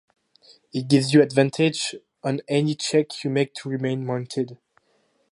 It gives you advantage on any check you make to remain mounted.